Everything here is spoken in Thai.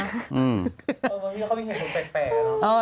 อื้อหือเขาไม่เห็นผมแปลกแล้ว